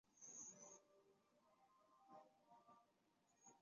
白俄是一种白色的甜鸡尾酒。